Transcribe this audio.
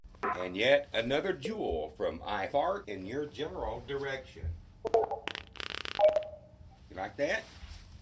ni opioidi peptidiya nje mwa ngozi ambayo huzuia maumivu